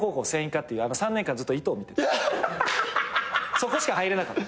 そこしか入れなかった。